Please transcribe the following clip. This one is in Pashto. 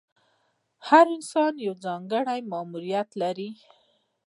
هر انسان یو ځانګړی ماموریت لري.